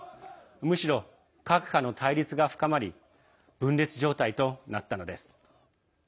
むしろ各派の対立が深まり分裂状態となったのです。